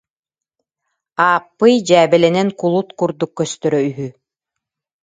Ааппый дьээбэлэнэн кулут курдук көстөрө үһү